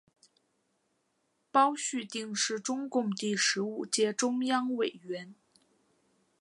包叙定是中共第十五届中央委员。